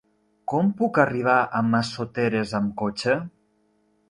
Com puc arribar a Massoteres amb cotxe?